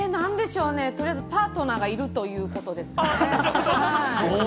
取りあえずパートナーがいるということですね。